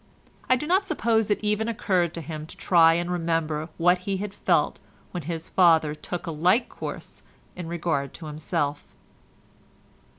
I do not suppose it even occurred to him to try and remember what he had felt when his father took a like course in regard to himself.